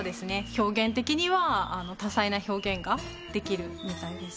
表現的には多彩な表現ができるみたいです